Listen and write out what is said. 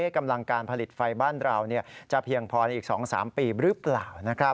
กำลังการผลิตไฟบ้านเราจะเพียงพอในอีก๒๓ปีหรือเปล่า